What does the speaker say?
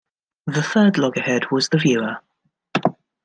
The third loggerhead was the viewer.